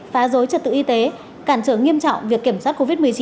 phá rối trật tự y tế cản trở nghiêm trọng việc kiểm soát covid một mươi chín